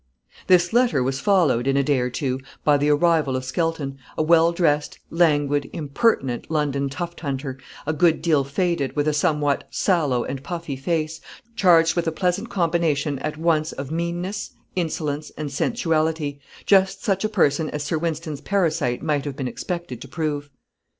This letter was followed, in a day or two, by the arrival of Skelton, a well dressed, languid, impertinent London tuft hunter, a good deal faded, with a somewhat sallow and puffy face, charged with a pleasant combination at once of meanness, insolence, and sensuality just such a person as Sir Wynston's parasite might have been expected to prove.